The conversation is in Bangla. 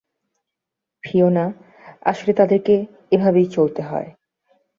ফিয়োনা, আসলে, তাদেরকে এভাবেই চলতে হয়।